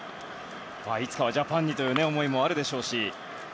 いつかはジャパンにという思いもあるでしょうし。